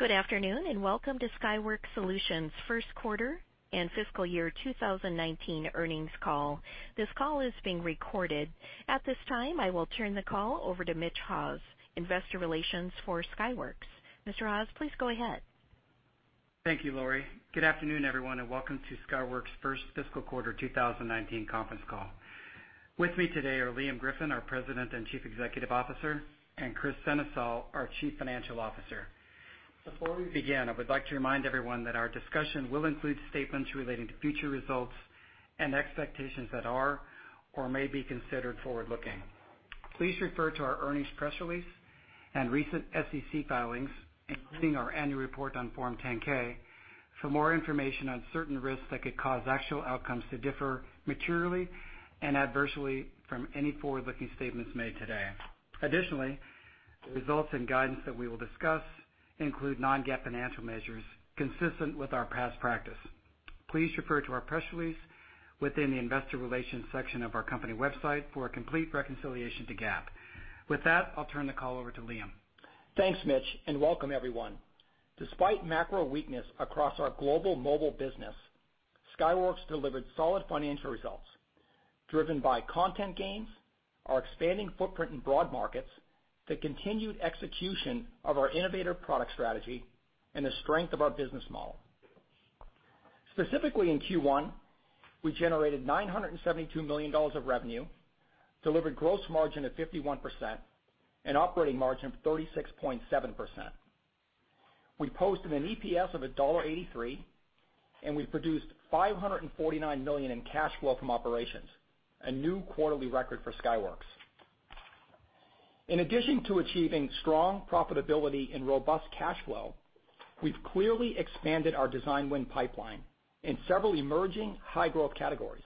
Good afternoon, and welcome to Skyworks Solutions' first quarter and fiscal year 2019 earnings call. This call is being recorded. At this time, I will turn the call over to Mitch Haws, investor relations for Skyworks. Mr. Haws, please go ahead. Thank you, Lori. Good afternoon, everyone, and welcome to Skyworks' first fiscal quarter 2019 conference call. With me today are Liam Griffin, our President and Chief Executive Officer, and Kris Sennesael, our Chief Financial Officer. Before we begin, I would like to remind everyone that our discussion will include statements relating to future results and expectations that are or may be considered forward-looking. Please refer to our earnings press release and recent SEC filings, including our annual report on Form 10-K, for more information on certain risks that could cause actual outcomes to differ materially and adversely from any forward-looking statements made today. Additionally, the results and guidance that we will discuss include non-GAAP financial measures consistent with our past practice. Please refer to our press release within the investor relations section of our company website for a complete reconciliation to GAAP. With that, I'll turn the call over to Liam. Thanks, Mitch, and welcome everyone. Despite macro weakness across our global mobile business, Skyworks delivered solid financial results, driven by content gains, our expanding footprint in broad markets, the continued execution of our innovative product strategy, and the strength of our business model. Specifically, in Q1, we generated $972 million of revenue, delivered gross margin of 51%, and operating margin of 36.7%. We posted an EPS of $1.83, and we produced $549 million in cash flow from operations, a new quarterly record for Skyworks. In addition to achieving strong profitability and robust cash flow, we've clearly expanded our design win pipeline in several emerging high-growth categories.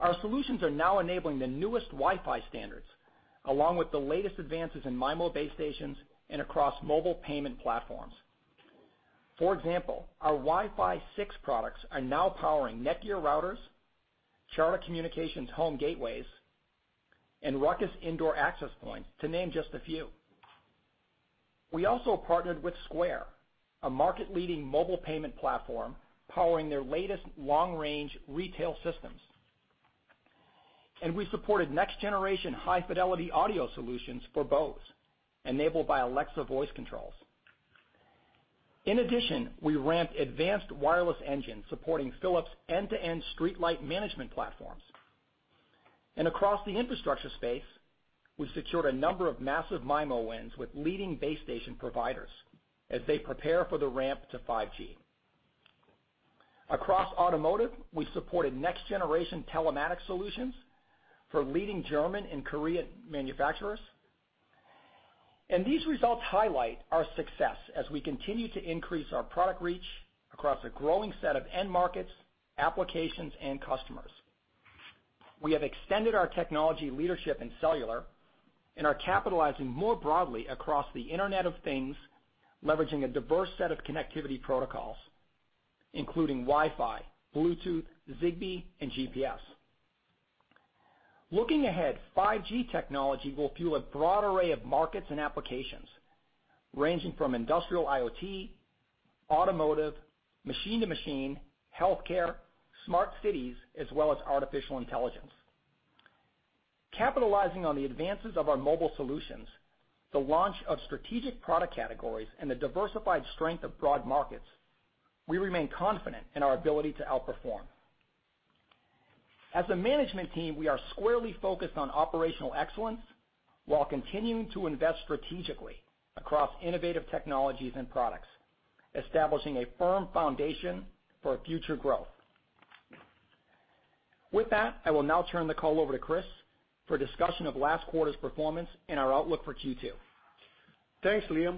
Our solutions are now enabling the newest Wi-Fi standards, along with the latest advances in MIMO base stations and across mobile payment platforms. For example, our Wi-Fi 6 products are now powering Netgear routers, Charter Communications home gateways, and Ruckus indoor access points, to name just a few. We also partnered with Square, a market-leading mobile payment platform, powering their latest long-range retail systems. We supported next-generation high-fidelity audio solutions for Bose, enabled by Alexa voice controls. In addition, we ramped advanced wireless engines supporting Philips' end-to-end streetlight management platforms. Across the infrastructure space, we've secured a number of massive MIMO wins with leading base station providers as they prepare for the ramp to 5G. Across automotive, we supported next-generation telematics solutions for leading German and Korean manufacturers. These results highlight our success as we continue to increase our product reach across a growing set of end markets, applications, and customers. We have extended our technology leadership in cellular and are capitalizing more broadly across the Internet of Things, leveraging a diverse set of connectivity protocols, including Wi-Fi, Bluetooth, Zigbee, and GPS. Looking ahead, 5G technology will fuel a broad array of markets and applications, ranging from industrial IoT, automotive, machine-to-machine, healthcare, smart cities, as well as artificial intelligence. Capitalizing on the advances of our mobile solutions, the launch of strategic product categories, and the diversified strength of broad markets, we remain confident in our ability to outperform. As a management team, we are squarely focused on operational excellence while continuing to invest strategically across innovative technologies and products, establishing a firm foundation for future growth. With that, I will now turn the call over to Kris for a discussion of last quarter's performance and our outlook for Q2. Thanks, Liam.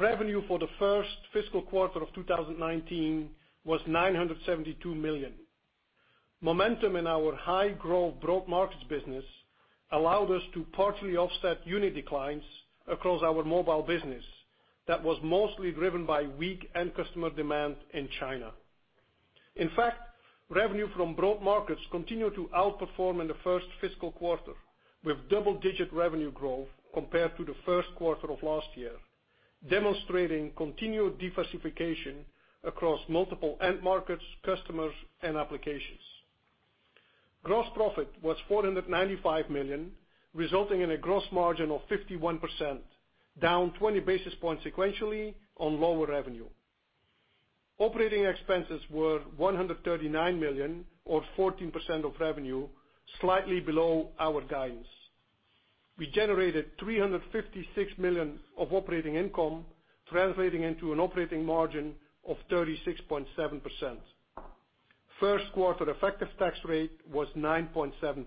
Revenue for the first fiscal quarter of 2019 was $972 million. Momentum in our high-growth broad markets business allowed us to partially offset unit declines across our mobile business that was mostly driven by weak end customer demand in China. In fact, revenue from broad markets continued to outperform in the first fiscal quarter, with double-digit revenue growth compared to the first quarter of last year, demonstrating continued diversification across multiple end markets, customers, and applications. Gross profit was $495 million, resulting in a gross margin of 51%, down 20 basis points sequentially on lower revenue. Operating expenses were $139 million or 14% of revenue, slightly below our guidance. We generated $356 million of operating income, translating into an operating margin of 36.7%. First quarter effective tax rate was 9.7%.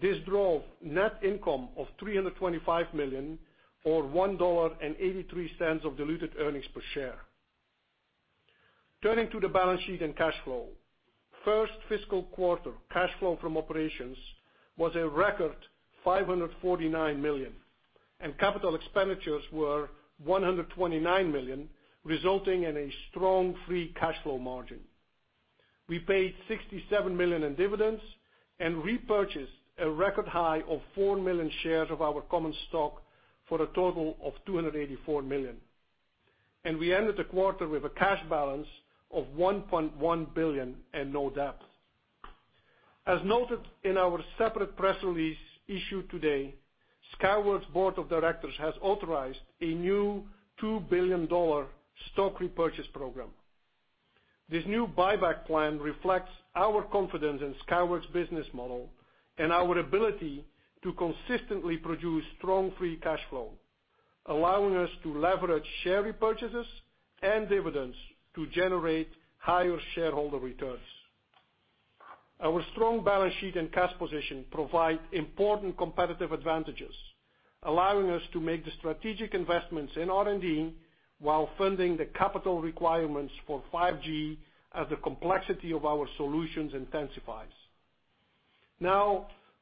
This drove net income of $325 million or $1.83 of diluted earnings per share. Turning to the balance sheet and cash flow. First fiscal quarter cash flow from operations was a record $549 million, and capital expenditures were $129 million, resulting in a strong free cash flow margin. We paid $67 million in dividends and repurchased a record high of 4 million shares of our common stock for a total of $284 million. We ended the quarter with a cash balance of $1.1 billion and no debt. As noted in our separate press release issued today, Skyworks' Board of Directors has authorized a new $2 billion stock repurchase program. This new buyback plan reflects our confidence in Skyworks' business model and our ability to consistently produce strong free cash flow, allowing us to leverage share repurchases and dividends to generate higher shareholder returns. Our strong balance sheet and cash position provide important competitive advantages, allowing us to make the strategic investments in R&D while funding the capital requirements for 5G as the complexity of our solutions intensifies.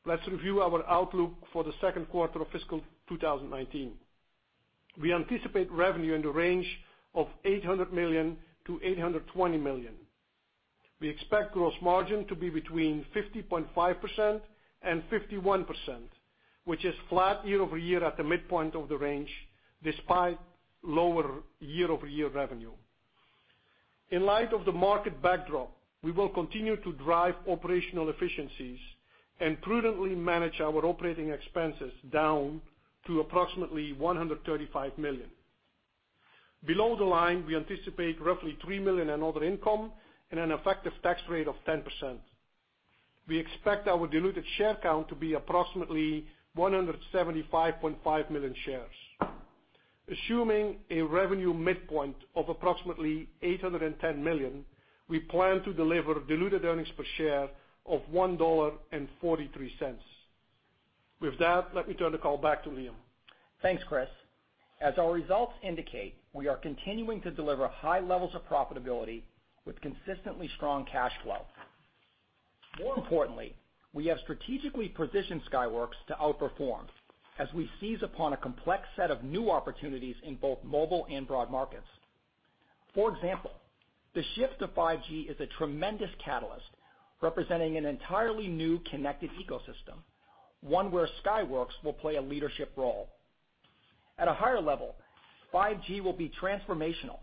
Let's review our outlook for the second quarter of fiscal 2019. We anticipate revenue in the range of $800 million-$820 million. We expect gross margin to be between 50.5% and 51%, which is flat year-over-year at the midpoint of the range, despite lower year-over-year revenue. In light of the market backdrop, we will continue to drive operational efficiencies and prudently manage our operating expenses down to approximately $135 million. Below the line, we anticipate roughly $3 million in other income and an effective tax rate of 10%. We expect our diluted share count to be approximately 175.5 million shares. Assuming a revenue midpoint of approximately $810 million, we plan to deliver diluted earnings per share of $1.43. With that, let me turn the call back to Liam. Thanks, Kris. As our results indicate, we are continuing to deliver high levels of profitability with consistently strong cash flow. More importantly, we have strategically positioned Skyworks to outperform as we seize upon a complex set of new opportunities in both mobile and broad markets. For example, the shift to 5G is a tremendous catalyst, representing an entirely new connected ecosystem, one where Skyworks will play a leadership role. At a higher level, 5G will be transformational,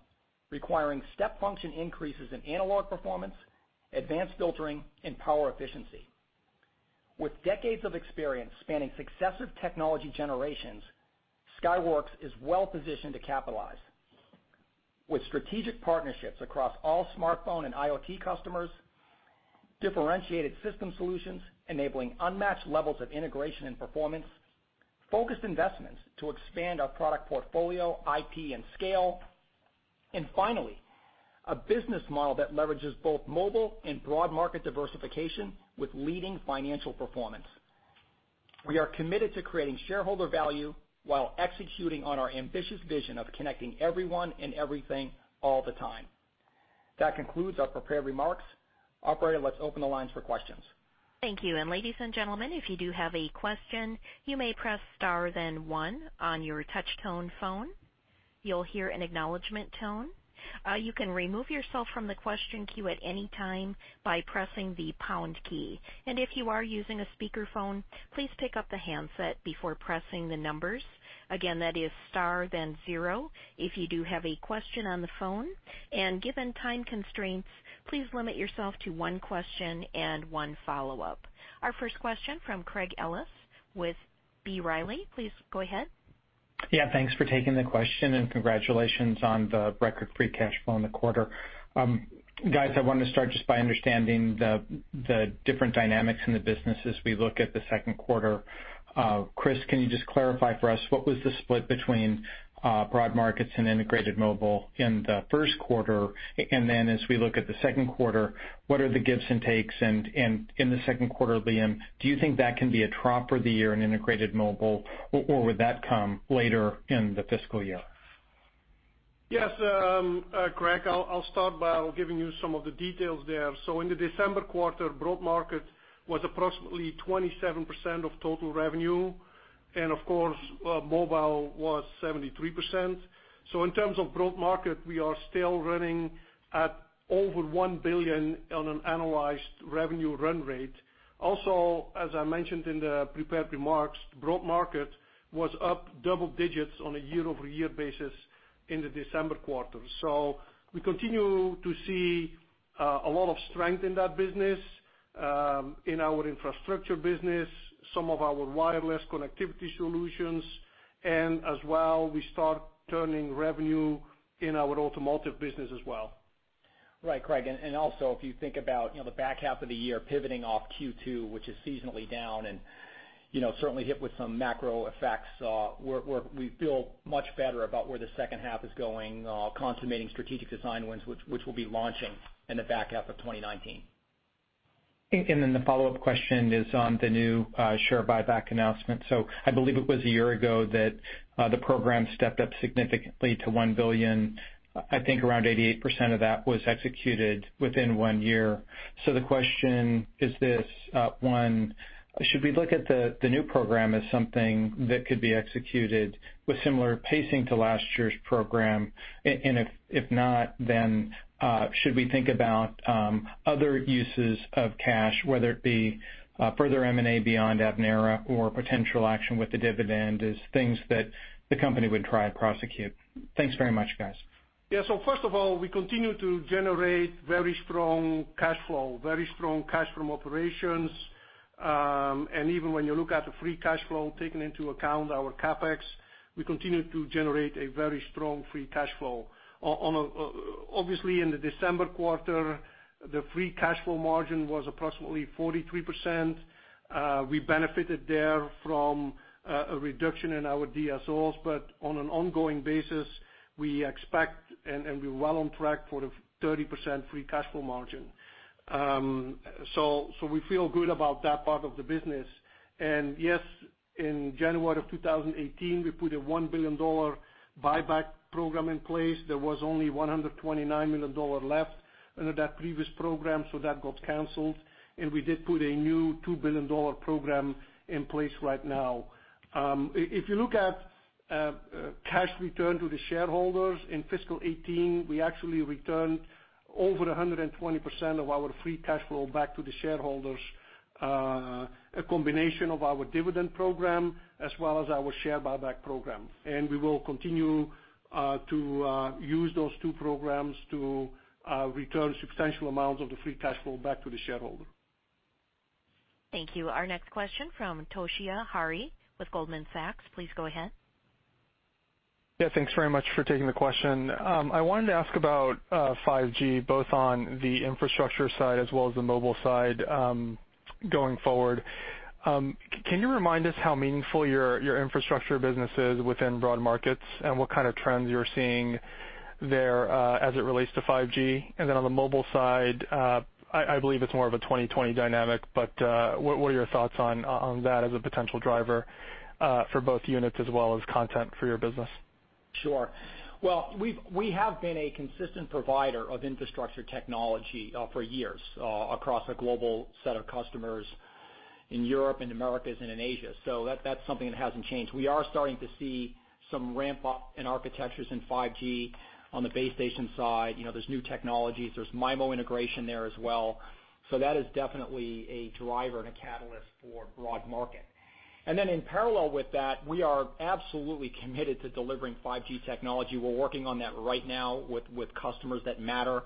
requiring step function increases in analog performance, advanced filtering, and power efficiency. With decades of experience spanning successive technology generations, Skyworks is well positioned to capitalize. With strategic partnerships across all smartphone and IoT customers, differentiated system solutions enabling unmatched levels of integration and performance, focused investments to expand our product portfolio, IP, and scale, and finally, a business model that leverages both mobile and broad market diversification with leading financial performance. We are committed to creating shareholder value while executing on our ambitious vision of connecting everyone and everything all the time. That concludes our prepared remarks. Operator, let's open the lines for questions. Thank you. Ladies and gentlemen, if you do have a question, you may press star then one on your touch tone phone. You'll hear an acknowledgment tone. You can remove yourself from the question queue at any time by pressing the pound key. If you are using a speakerphone, please pick up the handset before pressing the numbers. Again, that is star then zero if you do have a question on the phone. Given time constraints, please limit yourself to one question and one follow-up. Our first question from Craig Ellis with B. Riley. Please go ahead. Thanks for taking the question and congratulations on the record free cash flow in the quarter. Guys, I wanted to start just by understanding the different dynamics in the business as we look at the second quarter. Kris, can you just clarify for us what was the split between broad markets and integrated mobile in the first quarter? As we look at the second quarter, what are the gives and takes? In the second quarter, Liam, do you think that can be a trough for the year in integrated mobile, or would that come later in the fiscal year? Craig. I'll start by giving you some of the details there. In the December quarter, broad market was approximately 27% of total revenue. Of course, mobile was 73%. In terms of broad market, we are still running at over $1 billion on an annualized revenue run rate. As I mentioned in the prepared remarks, broad market was up double digits on a year-over-year basis in the December quarter. We continue to see a lot of strength in that business, in our infrastructure business, some of our wireless connectivity solutions, and as well, we start turning revenue in our automotive business as well. Craig. Also, if you think about the back half of the year pivoting off Q2, which is seasonally down and certainly hit with some macro effects, we feel much better about where the second half is going, consummating strategic design wins, which will be launching in the back half of 2019. The follow-up question is on the new share buyback announcement. I believe it was a year ago that the program stepped up significantly to $1 billion. I think around 88% of that was executed within one year. The question is this, one, should we look at the new program as something that could be executed with similar pacing to last year's program? If not, then should we think about other uses of cash, whether it be further M&A beyond Avnera or potential action with the dividend as things that the company would try and prosecute? Thanks very much, guys. First of all, we continue to generate very strong cash flow, very strong cash from operations. Even when you look at the free cash flow, taking into account our CapEx, we continue to generate a very strong free cash flow. Obviously, in the December quarter, the free cash flow margin was approximately 43%. We benefited there from a reduction in our DSOs. On an ongoing basis, we expect and we're well on track for the 30% free cash flow margin. We feel good about that part of the business. Yes, in January of 2018, we put a $1 billion buyback program in place. There was only $129 million left under that previous program, that got canceled, and we did put a new $2 billion program in place right now. If you look at cash return to the shareholders, in fiscal 2018, we actually returned over 120% of our free cash flow back to the shareholders, a combination of our dividend program as well as our share buyback program. We will continue to use those two programs to return substantial amounts of the free cash flow back to the shareholder. Thank you. Our next question from Toshiya Hari with Goldman Sachs. Please go ahead. Thanks very much for taking the question. I wanted to ask about 5G, both on the infrastructure side as well as the mobile side going forward. Can you remind us how meaningful your infrastructure business is within broad markets and what kind of trends you're seeing there as it relates to 5G? On the mobile side, I believe it's more of a 2020 dynamic, but what are your thoughts on that as a potential driver for both units as well as content for your business? Sure. Well, we have been a consistent provider of infrastructure technology for years across a global set of customers in Europe, in Americas, and in Asia. That's something that hasn't changed. We are starting to see some ramp up in architectures in 5G on the base station side. There's new technologies. There's MIMO integration there as well. That is definitely a driver and a catalyst for broad market. In parallel with that, we are absolutely committed to delivering 5G technology. We're working on that right now with customers that matter.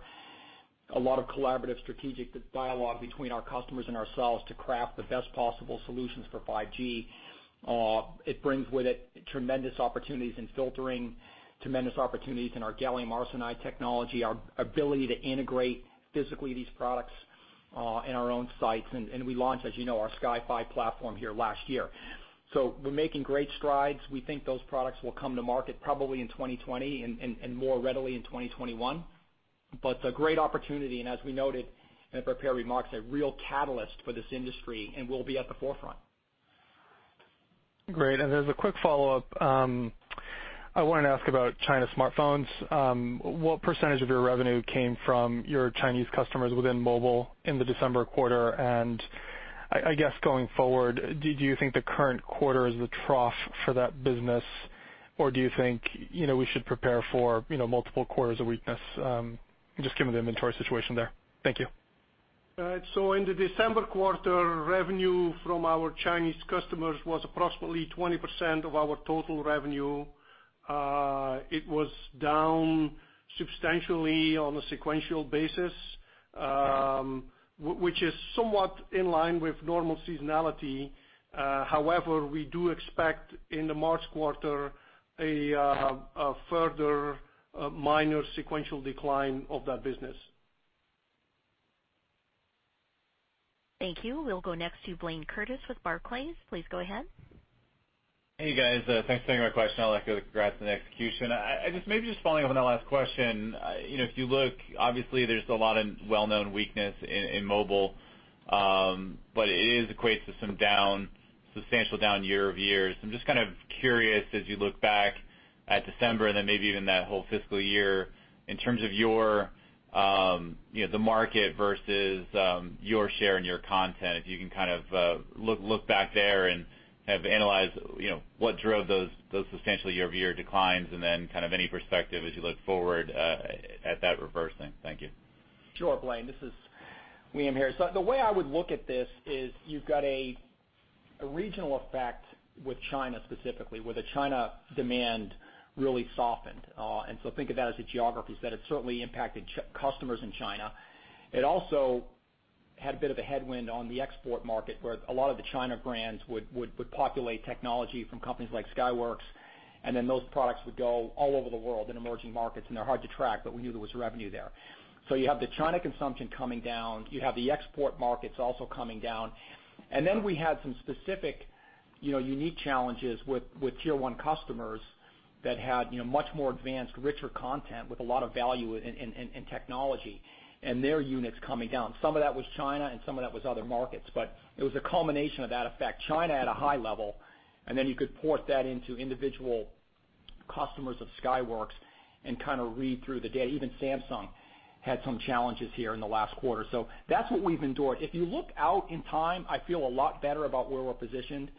A lot of collaborative strategic dialogue between our customers and ourselves to craft the best possible solutions for 5G. It brings with it tremendous opportunities in filtering, tremendous opportunities in our gallium arsenide technology, our ability to integrate physically these products in our own sites. We launched, as you know, our Sky5 platform here last year. We're making great strides. We think those products will come to market probably in 2020 and more readily in 2021. It's a great opportunity, and as we noted in the prepared remarks, a real catalyst for this industry, and we'll be at the forefront. Great. As a quick follow-up, I wanted to ask about China smartphones. What % of your revenue came from your Chinese customers within mobile in the December quarter? I guess going forward, do you think the current quarter is the trough for that business, or do you think we should prepare for multiple quarters of weakness, just given the inventory situation there? Thank you. In the December quarter, revenue from our Chinese customers was approximately 20% of our total revenue. It was down substantially on a sequential basis, which is somewhat in line with normal seasonality. However, we do expect in the March quarter a further minor sequential decline of that business. Thank you. We'll go next to Blayne Curtis with Barclays. Please go ahead. Hey, guys. Thanks for taking my question. I'd like to congrats on the execution. Maybe just following up on that last question. If you look, obviously, there's a lot of well-known weakness in mobile, but it equates to some substantial down year-over-year. I'm just kind of curious as you look back at December and then maybe even that whole fiscal year in terms of the market versus your share and your content, if you can kind of look back there and kind of analyze what drove those substantial year-over-year declines and then kind of any perspective as you look forward at that reversing. Thank you. Sure, Blayne. This is Liam here. The way I would look at this is you've got a regional effect with China specifically, where the China demand really softened. Think of that as the geographies that have certainly impacted customers in China. It also had a bit of a headwind on the export market, where a lot of the China brands would populate technology from companies like Skyworks, and then those products would go all over the world in emerging markets, and they're hard to track, but we knew there was revenue there. You have the China consumption coming down, you have the export markets also coming down. Then we had some specific, unique challenges with tier 1 customers that had much more advanced, richer content with a lot of value in technology and their units coming down. Some of that was China and some of that was other markets, but it was a culmination of that effect. China at a high level, then you could port that into individual customers of Skyworks and kind of read through the data. Even Samsung had some challenges here in the last quarter. That's what we've endured. If you look out in time, I feel a lot better about where we're positioned.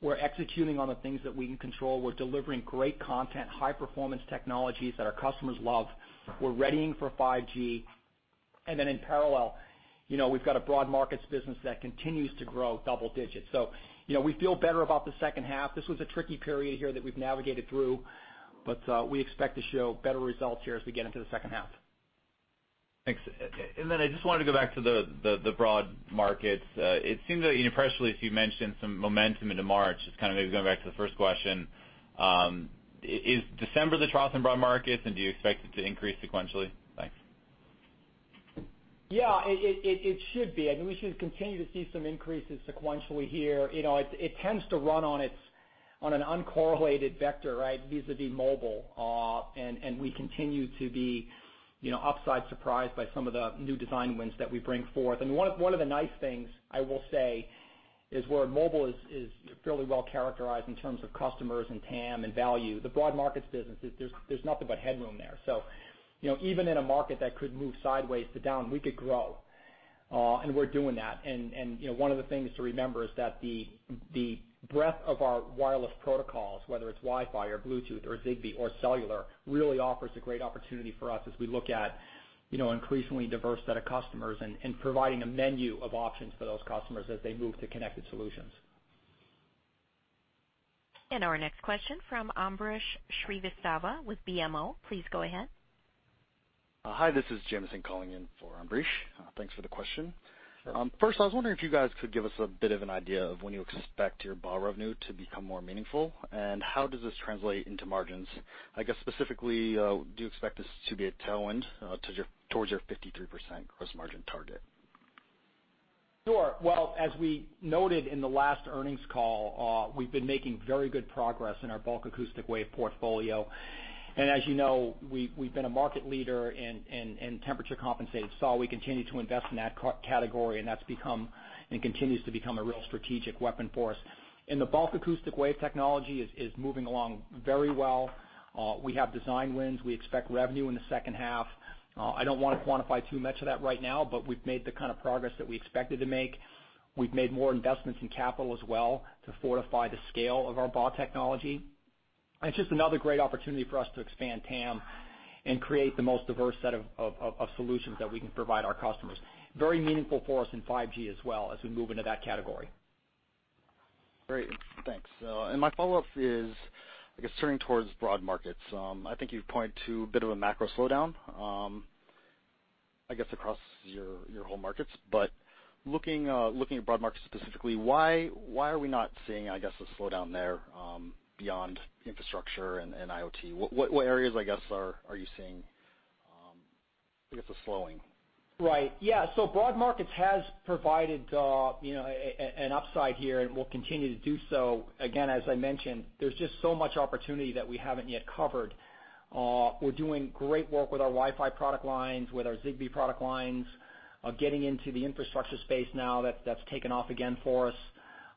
We're executing on the things that we can control. We're delivering great content, high performance technologies that our customers love. We're readying for 5G, in parallel, we've got a broad markets business that continues to grow double digits. We feel better about the second half. This was a tricky period here that we've navigated through, but we expect to show better results here as we get into the second half. Thanks. I just wanted to go back to the broad markets. It seems that, especially as you mentioned, some momentum into March. Just kind of maybe going back to the first question, is December the trough in broad markets, and do you expect it to increase sequentially? Thanks. Yeah, it should be. We should continue to see some increases sequentially here. It tends to run on an uncorrelated vector, vis-à-vis mobile. We continue to be upside surprised by some of the new design wins that we bring forth. One of the nice things I will say is where mobile is fairly well characterized in terms of customers and TAM and value, the broad markets businesses, there's nothing but headroom there. Even in a market that could move sideways to down, we could grow. We're doing that. One of the things to remember is that the breadth of our wireless protocols, whether it's Wi-Fi or Bluetooth or Zigbee or cellular, really offers a great opportunity for us as we look at increasingly diverse set of customers and providing a menu of options for those customers as they move to connected solutions. Our next question from Ambrish Srivastava with BMO. Please go ahead. Hi, this is Jamison calling in for Ambrish. Thanks for the question. Sure. First, I was wondering if you guys could give us a bit of an idea of when you expect your BAW revenue to become more meaningful, and how does this translate into margins? I guess specifically, do you expect this to be a tailwind towards your 53% gross margin target? Sure. Well, as we noted in the last earnings call, we've been making very good progress in our bulk acoustic wave portfolio. As you know, we've been a market leader in temperature compensated SAW. We continue to invest in that category, and that's become, and continues to become, a real strategic weapon for us. The bulk acoustic wave technology is moving along very well. We have design wins. We expect revenue in the second half. I don't want to quantify too much of that right now, but we've made the kind of progress that we expected to make. We've made more investments in capital as well to fortify the scale of our BAW technology. It's just another great opportunity for us to expand TAM and create the most diverse set of solutions that we can provide our customers. Very meaningful for us in 5G as well as we move into that category. Great. Thanks. My follow-up is, I guess, turning towards broad markets. I think you've pointed to a bit of a macro slowdown, I guess, across your whole markets. Looking at broad markets specifically, why are we not seeing, I guess, a slowdown there beyond infrastructure and IoT? What areas, I guess, are you seeing, I guess, a slowing? Right. Yeah. Broad markets has provided an upside here and will continue to do so. Again, as I mentioned, there's just so much opportunity that we haven't yet covered. We're doing great work with our Wi-Fi product lines, with our Zigbee product lines, getting into the infrastructure space now that's taken off again for us.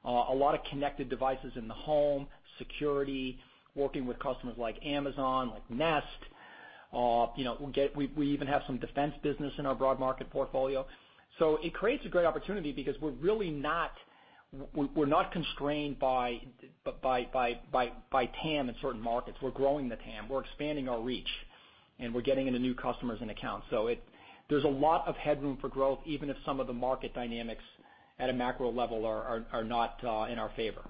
A lot of connected devices in the home, security, working with customers like Amazon, like Nest. We even have some defense business in our broad market portfolio. It creates a great opportunity because we're not constrained by TAM in certain markets. We're growing the TAM, we're expanding our reach, and we're getting into new customers and accounts. There's a lot of headroom for growth, even if some of the market dynamics at a macro level are not in our favor.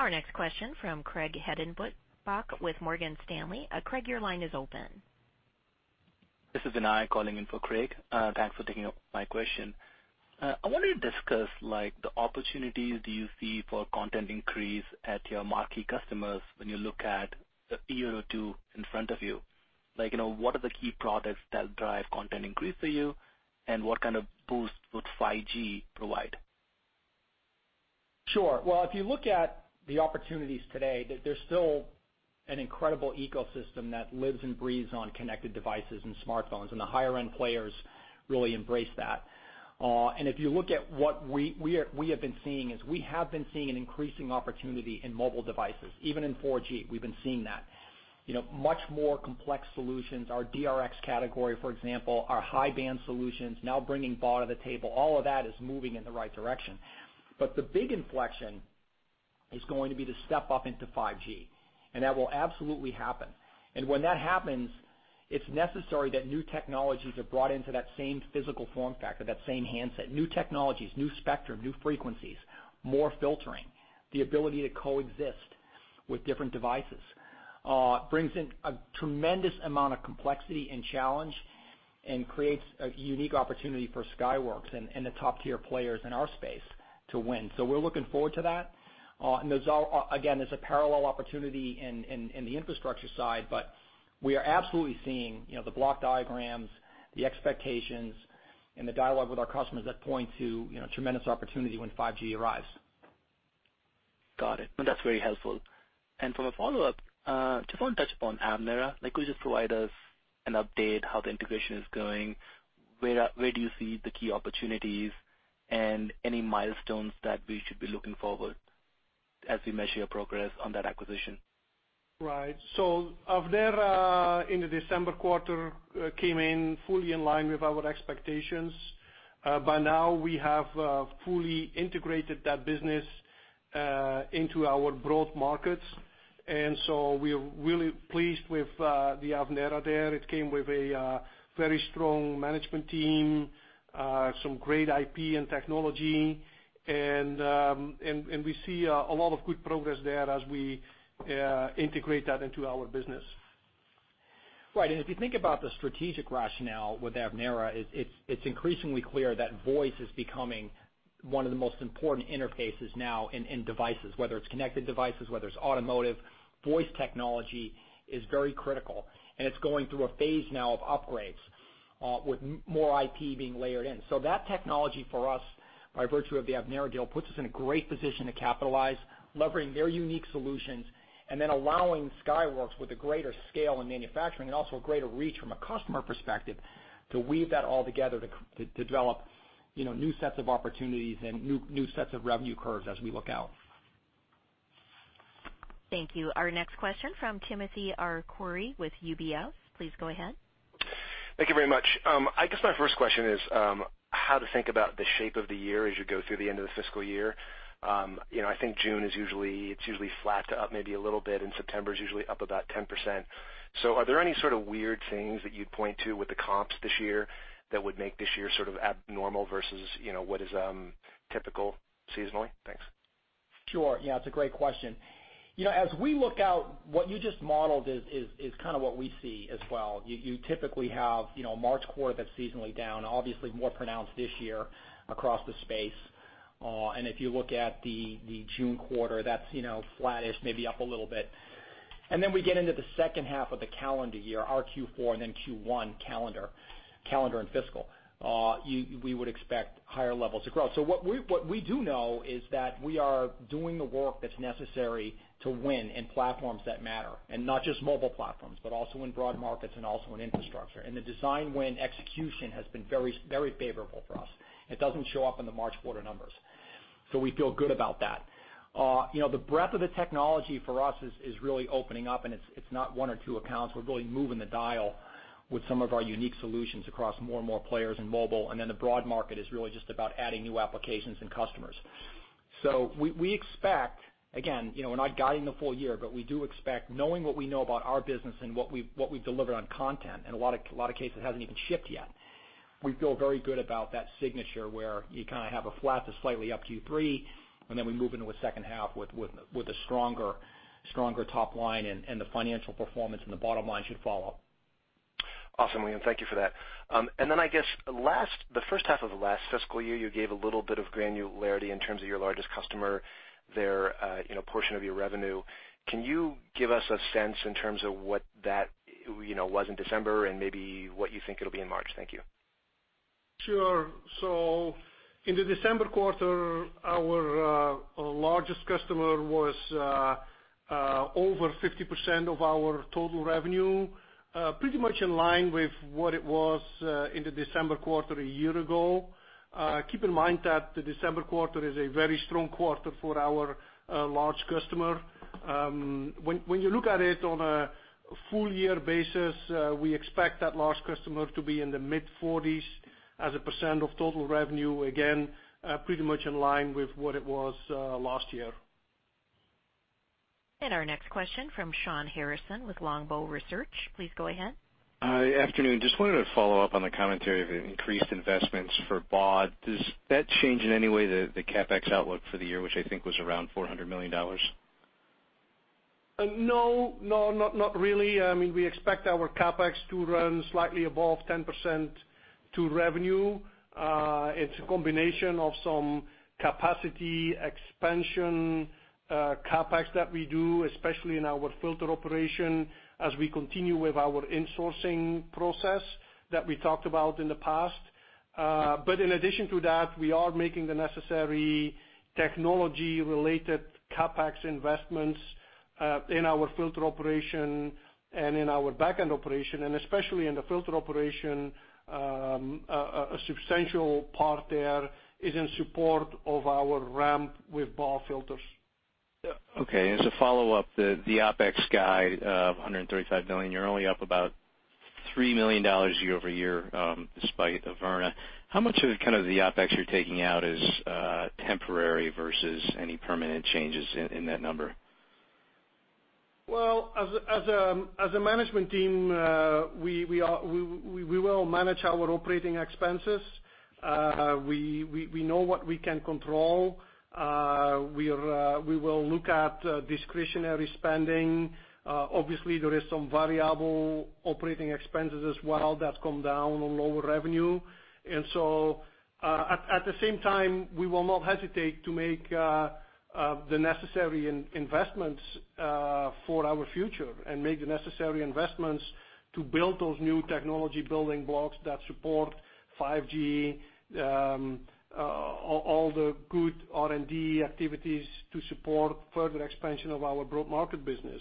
Our next question from Craig Hettenbach with Morgan Stanley. Craig, your line is open. This is Vinay calling in for Craig. Thanks for taking my question. I wonder, to discuss the opportunities do you see for content increase at your marquee customers when you look at the year or two in front of you. What are the key products that drive content increase for you, and what kind of boost would 5G provide? Well, if you look at the opportunities today, there's still an incredible ecosystem that lives and breathes on connected devices and smartphones, and the higher-end players really embrace that. If you look at what we have been seeing, is we have been seeing an increasing opportunity in mobile devices. Even in 4G, we've been seeing that. Much more complex solutions. Our DRx category, for example, our high band solutions, now bringing BAW to the table. All of that is moving in the right direction. The big inflection is going to be the step up into 5G, and that will absolutely happen. When that happens, it's necessary that new technologies are brought into that same physical form factor, that same handset. New technologies, new spectrum, new frequencies, more filtering, the ability to coexist with different devices, brings in a tremendous amount of complexity and challenge and creates a unique opportunity for Skyworks and the top-tier players in our space to win. We're looking forward to that. Again, there's a parallel opportunity in the infrastructure side, but we are absolutely seeing the block diagrams, the expectations, and the dialogue with our customers that point to tremendous opportunity when 5G arrives. Got it. No, that's very helpful. For my follow-up, just want to touch upon Avnera. Could you just provide us an update how the integration is going? Where do you see the key opportunities, and any milestones that we should be looking forward as we measure progress on that acquisition? Right. Avnera in the December quarter came in fully in line with our expectations. By now, we have fully integrated that business into our broad markets. We are really pleased with the Avnera deal. It came with a very strong management team, some great IP and technology, and we see a lot of good progress there as we integrate that into our business. Right. If you think about the strategic rationale with Avnera, it is increasingly clear that voice is becoming one of the most important interfaces now in devices, whether it is connected devices, whether it is automotive. Voice technology is very critical, and it is going through a phase now of upgrades, with more IP being layered in. That technology for us, by virtue of the Avnera deal, puts us in a great position to capitalize, leveraging their unique solutions, and then allowing Skyworks with a greater scale in manufacturing and also a greater reach from a customer perspective, to weave that all together to develop new sets of opportunities and new sets of revenue curves as we look out. Thank you. Our next question from Timothy Arcuri with UBS. Please go ahead. Thank you very much. I guess my first question is how to think about the shape of the year as you go through the end of the fiscal year. I think June, it is usually flat to up maybe a little bit, and September is usually up about 10%. Are there any sort of weird things that you would point to with the comps this year that would make this year sort of abnormal versus what is typical seasonally? Thanks. Sure. Yes, it is a great question. As we look out, what you just modeled is kind of what we see as well. You typically have a March quarter that is seasonally down, obviously more pronounced this year across the space. If you look at the June quarter, that is flattish, maybe up a little bit. Then we get into the second half of the calendar year, our Q4, and then Q1 calendar and fiscal. We would expect higher levels of growth. What we do know is that we are doing the work that is necessary to win in platforms that matter, and not just mobile platforms, but also in broad markets and also in infrastructure. The design win execution has been very favorable for us. It does not show up in the March quarter numbers. We feel good about that. The breadth of the technology for us is really opening up, it's not one or two accounts. We're really moving the dial with some of our unique solutions across more and more players in mobile, the broad market is really just about adding new applications and customers. We expect, again, we're not guiding the full year, but we do expect, knowing what we know about our business and what we've delivered on content, in a lot of cases it hasn't even shipped yet. We feel very good about that signature, where you kind of have a flat to slightly up Q3, we move into a second half with a stronger top line, and the financial performance and the bottom line should follow. Awesome, Liam. Thank you for that. I guess, the first half of last fiscal year, you gave a little bit of granularity in terms of your largest customer, their portion of your revenue. Can you give us a sense in terms of what that was in December and maybe what you think it'll be in March? Thank you. Sure. In the December quarter, our largest customer was over 50% of our total revenue. Pretty much in line with what it was in the December quarter a year ago. Keep in mind that the December quarter is a very strong quarter for our large customer. When you look at it on a full year basis, we expect that large customer to be in the mid-40s as a percent of total revenue. Again, pretty much in line with what it was last year. Our next question from Shawn Harrison with Longbow Research. Please go ahead. Hi. Afternoon. Just wanted to follow up on the commentary of the increased investments for BAW. Does that change in any way the CapEx outlook for the year, which I think was around $400 million? No, not really. We expect our CapEx to run slightly above 10% to revenue. It's a combination of some capacity expansion CapEx that we do, especially in our filter operation, as we continue with our insourcing process that we talked about in the past. In addition to that, we are making the necessary technology-related CapEx investments in our filter operation and in our back-end operation, especially in the filter operation, a substantial part there is in support of our ramp with BAW filters. Okay. As a follow-up, the OpEx guide of $135 million, you're only up about $3 million year-over-year, despite Avnera. How much of the OpEx you're taking out is temporary versus any permanent changes in that number? Well, as a management team, we will manage our operating expenses. We know what we can control. We will look at discretionary spending. Obviously, there is some variable operating expenses as well that come down on lower revenue. At the same time, we will not hesitate to make the necessary investments for our future and make the necessary investments to build those new technology building blocks that support 5G, all the good R&D activities to support further expansion of our broad market business.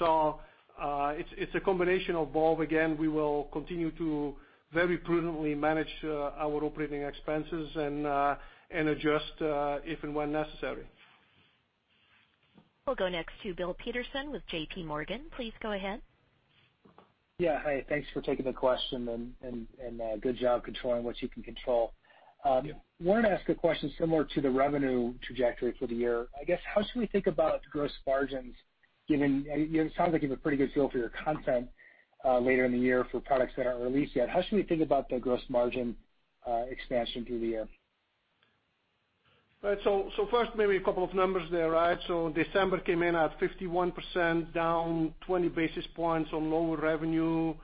It's a combination of both. Again, we will continue to very prudently manage our operating expenses and adjust if and when necessary. We'll go next to Bill Peterson with J.P. Morgan. Please go ahead. Yeah. Hi. Thanks for taking the question. Good job controlling what you can control. Yeah. I wanted to ask a question similar to the revenue trajectory for the year. I guess, how should we think about gross margins, given it sounds like you have a pretty good feel for your content later in the year for products that aren't released yet. How should we think about the gross margin expansion through the year? Right. First, maybe a couple of numbers there, right? December came in at 51%, down 20 basis points on lower revenue.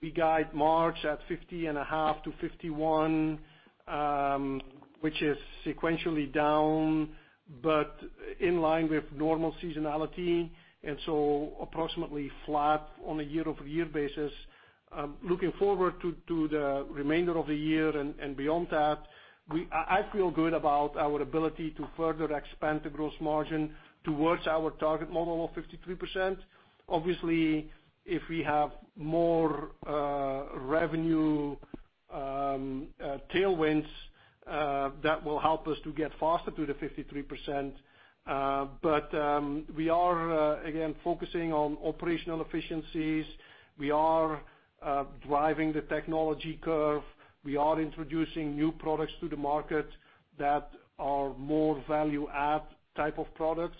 We guide March at 50.5%-51%, which is sequentially down, but in line with normal seasonality, and approximately flat on a year-over-year basis. Looking forward to the remainder of the year and beyond that, I feel good about our ability to further expand the gross margin towards our target model of 53%. Obviously, if we have more revenue tailwinds, that will help us to get faster to the 53%. We are, again, focusing on operational efficiencies. We are driving the technology curve. We are introducing new products to the market that are more value-add type of products,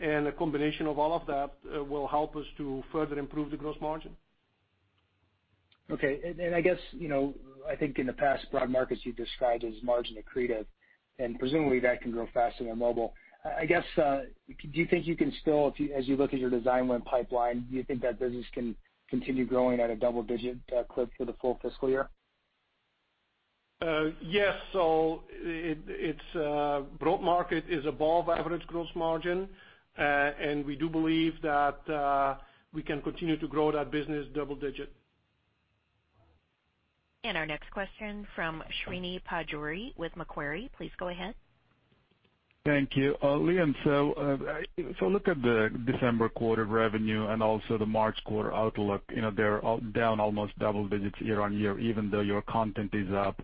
and a combination of all of that will help us to further improve the gross margin. I guess, I think in the past, broad markets you've described as margin accretive, and presumably that can grow faster than mobile. Do you think you can still, as you look at your design win pipeline, do you think that business can continue growing at a double-digit clip for the full fiscal year? Yes. Broad market is above average gross margin, we do believe that we can continue to grow that business double digit. Our next question from Srini Pajjuri with Macquarie Capital. Please go ahead. Thank you. Liam, if I look at the December quarter revenue and also the March quarter outlook, they're down almost double digits year-over-year, even though your content is up,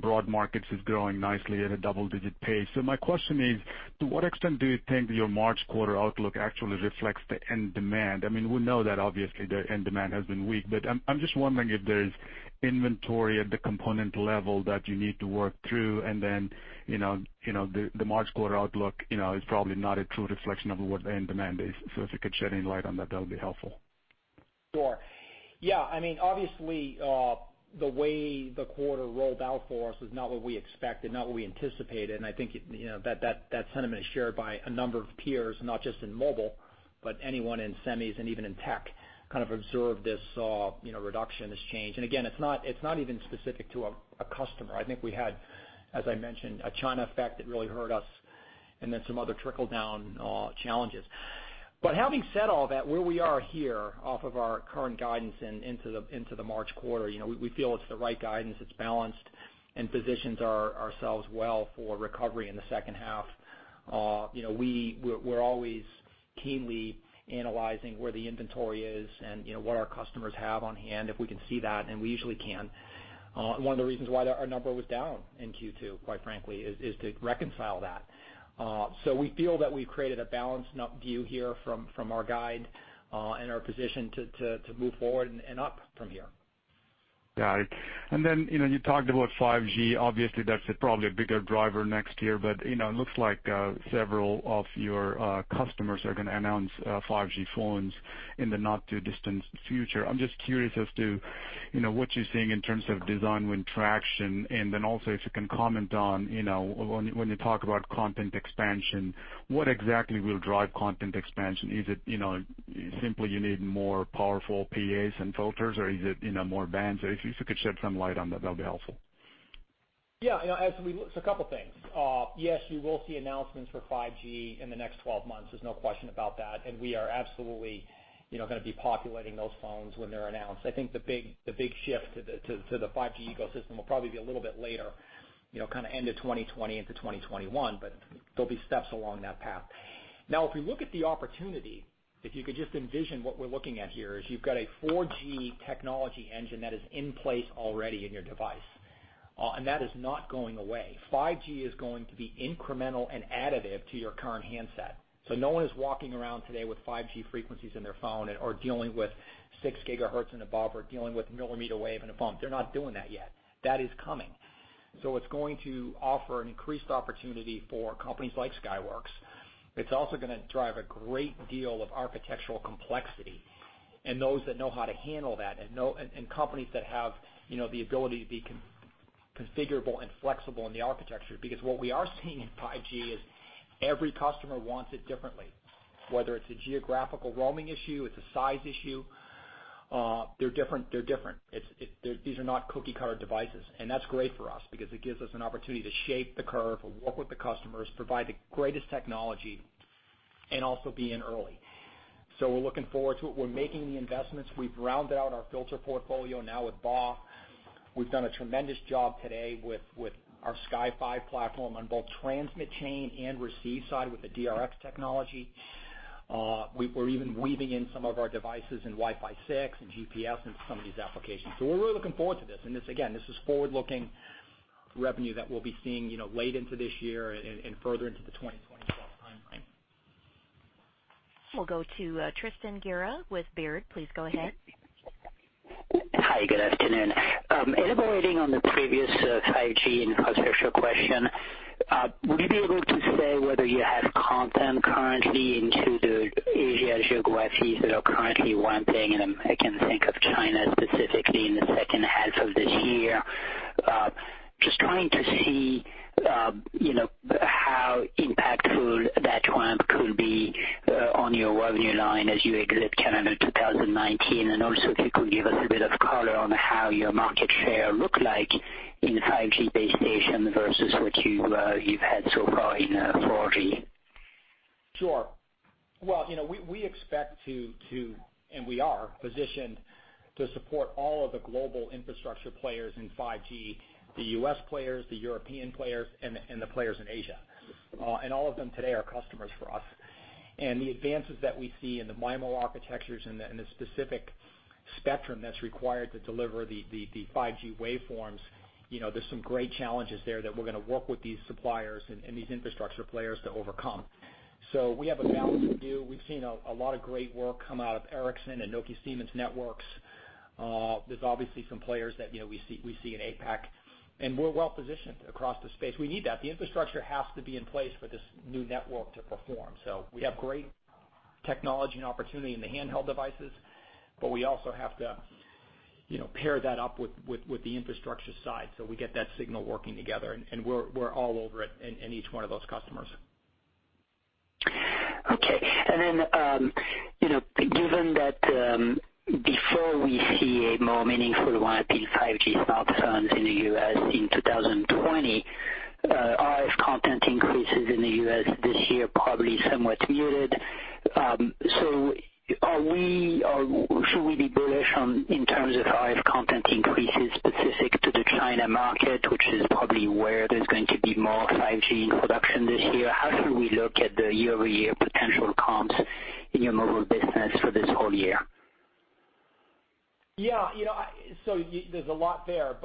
broad markets is growing nicely at a double-digit pace. My question is, to what extent do you think your March quarter outlook actually reflects the end demand? We know that obviously the end demand has been weak, I'm just wondering if there's inventory at the component level that you need to work through, then the March quarter outlook is probably not a true reflection of what the end demand is. If you could shed any light on that would be helpful. Sure. Yeah. Obviously, the way the quarter rolled out for us was not what we expected, not what we anticipated, and I think that sentiment is shared by a number of peers, not just in mobile, but anyone in semis and even in tech observed this reduction, this change. Again, it's not even specific to a customer. I think we had, as I mentioned, a China effect that really hurt us, and then some other trickle-down challenges. Having said all that, where we are here off of our current guidance and into the March quarter, we feel it's the right guidance. It's balanced and positions ourselves well for recovery in the second half. We're always keenly analyzing where the inventory is and what our customers have on hand, if we can see that, and we usually can. One of the reasons why our number was down in Q2, quite frankly, is to reconcile that. We feel that we've created a balanced view here from our guide, and are positioned to move forward and up from here. Got it. You talked about 5G. Obviously, that's probably a bigger driver next year, but it looks like several of your customers are going to announce 5G phones in the not-too-distant future. I'm just curious as to what you're seeing in terms of design win traction, and then also if you can comment on, when you talk about content expansion, what exactly will drive content expansion? Is it simply you need more powerful PAs and filters, or is it more bands? If you could shed some light on that would be helpful. Yeah. A couple things. Yes, you will see announcements for 5G in the next 12 months. There's no question about that, and we are absolutely going to be populating those phones when they're announced. I think the big shift to the 5G ecosystem will probably be a little bit later, kind of end of 2020 into 2021, but there'll be steps along that path. Now, if we look at the opportunity, if you could just envision what we're looking at here is you've got a 4G technology engine that is in place already in your device. That is not going away. 5G is going to be incremental and additive to your current handset. No one is walking around today with 5G frequencies in their phone or dealing with six gigahertz and above or dealing with millimeter wave in a phone. They're not doing that yet. That is coming. It's going to offer an increased opportunity for companies like Skyworks. It's also gonna drive a great deal of architectural complexity and those that know how to handle that and companies that have the ability to be configurable and flexible in the architecture. Because what we are seeing in 5G is every customer wants it differently, whether it's a geographical roaming issue, it's a size issue, they're different. These are not cookie cutter devices, and that's great for us because it gives us an opportunity to shape the curve, work with the customers, provide the greatest technology, and also be in early. We're looking forward to it. We're making the investments. We've rounded out our filter portfolio now with BAW. We've done a tremendous job today with our Sky5 platform on both transmit chain and receive side with the DRx technology. We're even weaving in some of our devices in Wi-Fi 6 and GPS into some of these applications. We're really looking forward to this, and this, again, this is forward-looking revenue that we'll be seeing late into this year and further into the 2022 timeline. We'll go to Tristan Gerra with Baird. Please go ahead. Hi, good afternoon. Elaborating on the previous 5G infrastructure question, would you be able to say whether you have content currently into the Asia geographies that are currently ramping, and I can think of China specifically in the second half of this year. Just trying to see how impactful that ramp could be on your revenue line as you exit calendar 2019, and also if you could give us a bit of color on how your market share look like in 5G base station versus what you've had so far in 4G. Sure. We expect to, we are positioned to support all of the global infrastructure players in 5G, the U.S. players, the European players, the players in Asia. All of them today are customers for us. The advances that we see in the MIMO architectures and the specific spectrum that's required to deliver the 5G waveforms, there's some great challenges there that we're going to work with these suppliers and these infrastructure players to overcome. We have a balanced view. We've seen a lot of great work come out of Ericsson and Nokia Siemens Networks. There's obviously some players that we see in APAC, we're well positioned across the space. We need that. The infrastructure has to be in place for this new network to perform. We have great technology and opportunity in the handheld devices, we also have to pair that up with the infrastructure side so we get that signal working together, we're all over it in each one of those customers. Okay. Given that before we see a more meaningful ramp in 5G smartphones in the U.S. in 2020, RF content increases in the U.S. this year probably somewhat muted. Should we be bullish in terms of RF content increases specific to the China market, which is probably where there's going to be more 5G introduction this year? How should we look at the year-over-year potential comps in your mobile business for this whole year? Yeah. There's a lot there,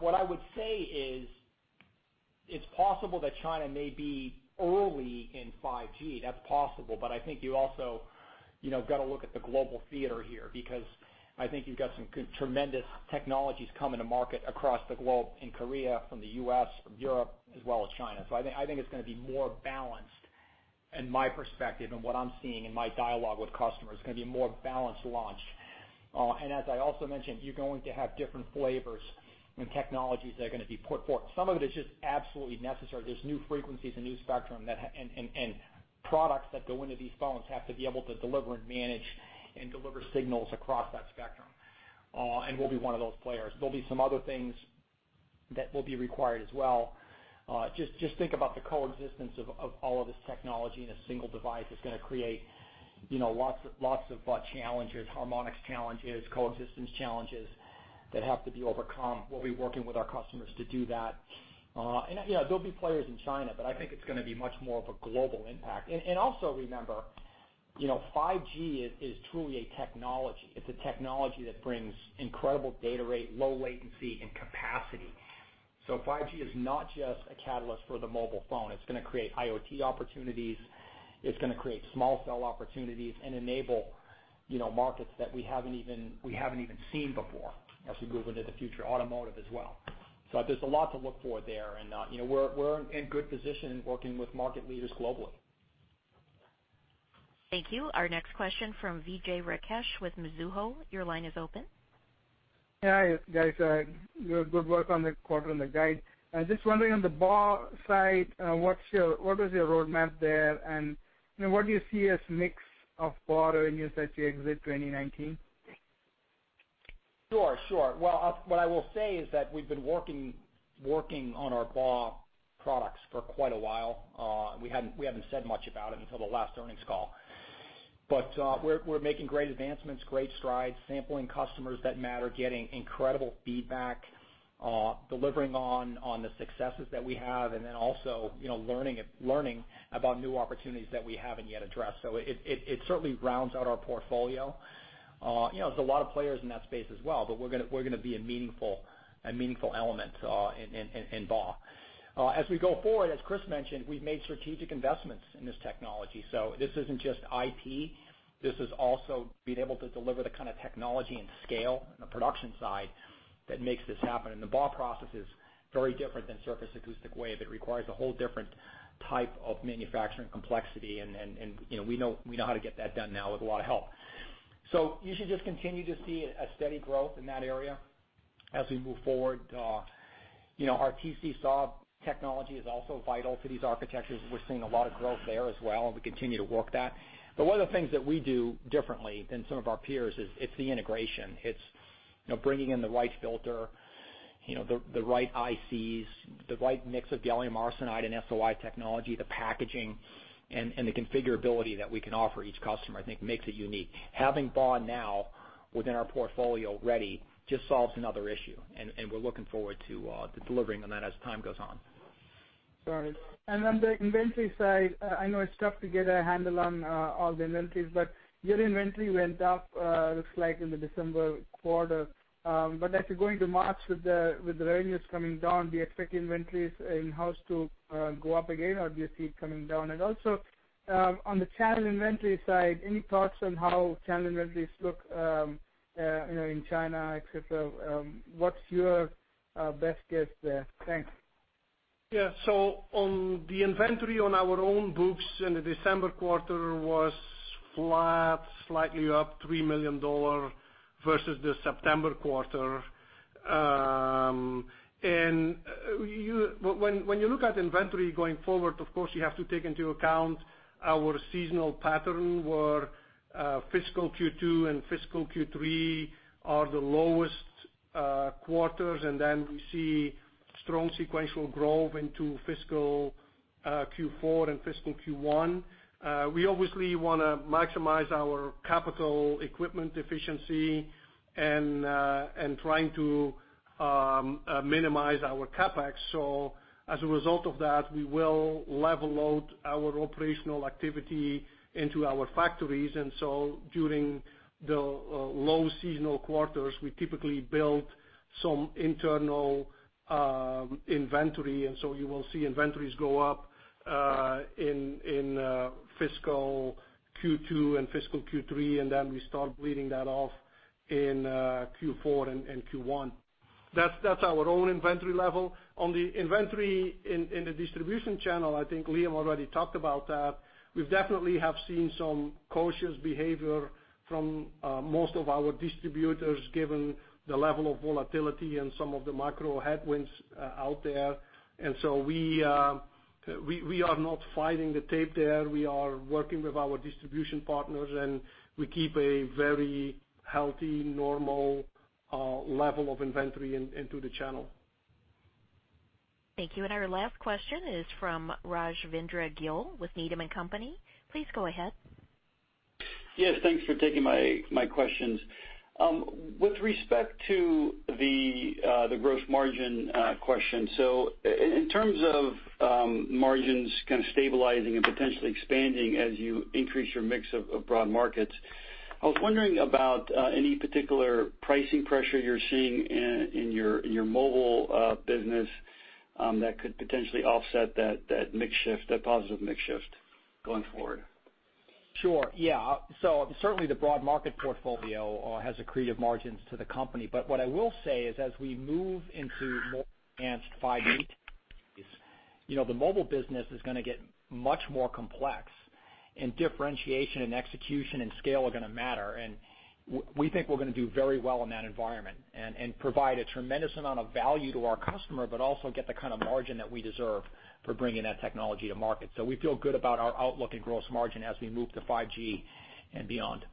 what I would say is it's possible that China may be early in 5G. That's possible, I think you also got to look at the global theater here because I think you've got some good tremendous technologies coming to market across the globe in Korea, from the U.S., from Europe, as well as China. I think it's going to be more balanced in my perspective and what I'm seeing in my dialogue with customers. It's going to be a more balanced launch. As I also mentioned, you're going to have different flavors and technologies that are going to be put forth. Some of it is just absolutely necessary. There's new frequencies and new spectrum, products that go into these phones have to be able to deliver and manage and deliver signals across that spectrum. We'll be one of those players. There'll be some other things that will be required as well. Just think about the coexistence of all of this technology in a single device is going to create lots of challenges, harmonics challenges, coexistence challenges that have to be overcome. We'll be working with our customers to do that. Yeah, there'll be players in China, but I think it's going to be much more of a global impact. Also remember, 5G is truly a technology. It's a technology that brings incredible data rate, low latency, and capacity. 5G is not just a catalyst for the mobile phone. It's going to create IoT opportunities. It's going to create small cell opportunities and enable markets that we haven't even seen before as we move into the future, automotive as well. There's a lot to look for there, and we're in good position working with market leaders globally. Thank you. Our next question from Vijay Rakesh with Mizuho Securities. Your line is open. Hi, guys. Good work on the quarter and the guide. Just wondering on the BAW side, what is your roadmap there, and what do you see as mix of BAW revenues as you exit 2019? Sure. Well, what I will say is that we've been working on our BAW products for quite a while. We haven't said much about it until the last earnings call. We're making great advancements, great strides, sampling customers that matter, getting incredible feedback, delivering on the successes that we have, and then also learning about new opportunities that we haven't yet addressed. It certainly rounds out our portfolio. There's a lot of players in that space as well, but we're going to be a meaningful element in BAW. As we go forward, as Kris mentioned, we've made strategic investments in this technology. This isn't just IP, this is also being able to deliver the kind of technology and scale on the production side that makes this happen. The BAW process is very different than surface acoustic wave. It requires a whole different type of manufacturing complexity, and we know how to get that done now with a lot of help. You should just continue to see a steady growth in that area as we move forward. Our TC SAW technology is also vital to these architectures. We're seeing a lot of growth there as well, and we continue to work that. One of the things that we do differently than some of our peers is it's the integration. It's bringing in the right filter, the right ICs, the right mix of gallium arsenide and SOI technology, the packaging, and the configurability that we can offer each customer, I think makes it unique. Having BAW now within our portfolio ready just solves another issue, and we're looking forward to delivering on that as time goes on. Sorry. On the inventory side, I know it's tough to get a handle on all the inventories, your inventory went up, looks like in the December quarter. As you're going to March with the revenues coming down, do you expect inventories in-house to go up again, or do you see it coming down? Also, on the channel inventory side, any thoughts on how channel inventories look in China, et cetera? What's your best guess there? Thanks. Yeah. On the inventory on our own books in the December quarter was flat, slightly up $3 million versus the September quarter. When you look at inventory going forward, of course, you have to take into account our seasonal pattern, where fiscal Q2 and fiscal Q3 are the lowest quarters, then we see strong sequential growth into fiscal Q4 and fiscal Q1. We obviously want to maximize our capital equipment efficiency and trying to minimize our CapEx. As a result of that, we will level load our operational activity into our factories. During the low seasonal quarters, we typically build some internal inventory, you will see inventories go up in fiscal Q2 and fiscal Q3, then we start bleeding that off in Q4 and Q1. That's our own inventory level. On the inventory in the distribution channel, I think Liam already talked about that. We've definitely seen some cautious behavior from most of our distributors, given the level of volatility and some of the macro headwinds out there. We are not fighting the tape there. We are working with our distribution partners, and we keep a very healthy, normal level of inventory into the channel. Thank you. Our last question is from Rajvindra Gill with Needham & Company. Please go ahead. Yes, thanks for taking my questions. With respect to the gross margin question, in terms of margins kind of stabilizing and potentially expanding as you increase your mix of broad markets, I was wondering about any particular pricing pressure you're seeing in your mobile business that could potentially offset that positive mix shift going forward. Sure, yeah. Certainly the broad market portfolio has accretive margins to the company. What I will say is, as we move into more advanced 5G, the mobile business is going to get much more complex, and differentiation and execution and scale are going to matter. We think we're going to do very well in that environment and provide a tremendous amount of value to our customer, but also get the kind of margin that we deserve for bringing that technology to market. We feel good about our outlook at gross margin as we move to 5G and beyond.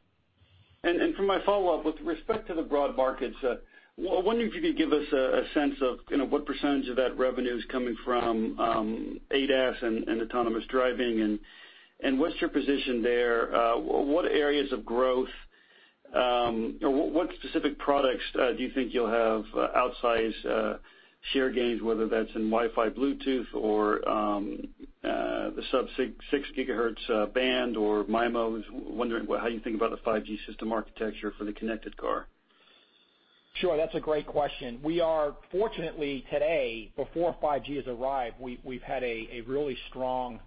For my follow-up, with respect to the broad markets, I wonder if you could give us a sense of what percentage of that revenue is coming from ADAS and autonomous driving, and what's your position there? What areas of growth or what specific products do you think you'll have outsized share gains, whether that's in Wi-Fi, Bluetooth, or the sub-6 GHz band or MIMO? I was wondering how you think about the 5G system architecture for the connected car. Sure. That's a great question. We are fortunately today, before 5G has arrived, we've had a really strong,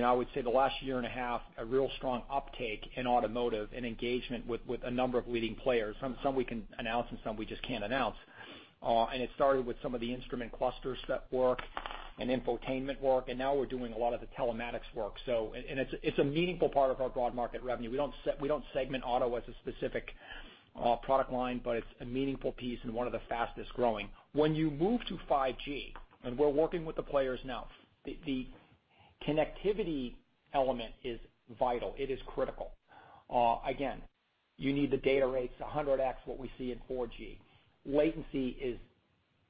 I would say the last year and a half, a real strong uptake in automotive and engagement with a number of leading players. Some we can announce and some we just can't announce. It started with some of the instrument clusters that work and infotainment work, and now we're doing a lot of the telematics work. It's a meaningful part of our broad market revenue. We don't segment auto as a specific product line, but it's a meaningful piece and one of the fastest-growing. When you move to 5G, and we're working with the players now, the connectivity element is vital. It is critical. Again, you need the data rates, 100x what we see in 4G. Latency is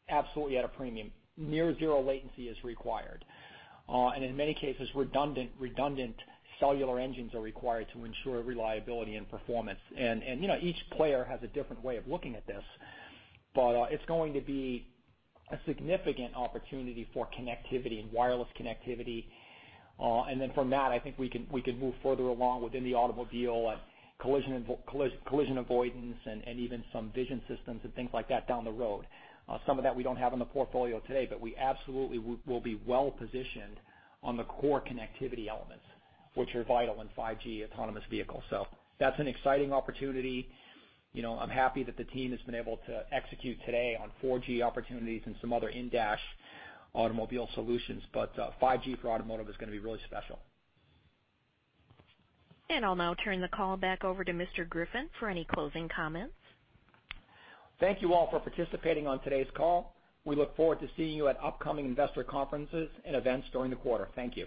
absolutely at a premium. Near zero latency is required. In many cases, redundant cellular engines are required to ensure reliability and performance. Each player has a different way of looking at this, but it's going to be a significant opportunity for connectivity and wireless connectivity. From that, I think we could move further along within the automobile at collision avoidance and even some vision systems and things like that down the road. Some of that we don't have in the portfolio today, but we absolutely will be well positioned on the core connectivity elements, which are vital in 5G autonomous vehicles. That's an exciting opportunity. I'm happy that the team has been able to execute today on 4G opportunities and some other in-dash automobile solutions. 5G for automotive is going to be really special. I'll now turn the call back over to Mr. Griffin for any closing comments. Thank you all for participating on today's call. We look forward to seeing you at upcoming investor conferences and events during the quarter. Thank you.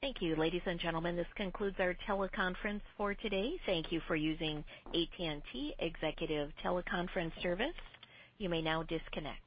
Thank you, ladies and gentlemen. This concludes our teleconference for today. Thank you for using AT&T Executive Teleconference Service. You may now disconnect.